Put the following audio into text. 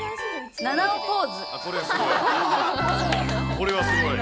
これはすごい。